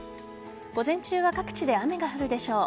午前中は各地で雨が降るでしょう。